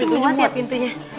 itu muat ya pintunya